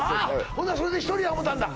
ほんならそれで１人や思たんだ